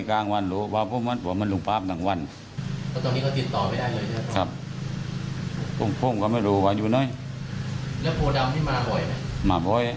ก็มาหาลูกสาวใช่ไหม